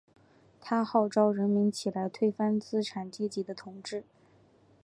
他号召人民起来推翻资产阶级的统治。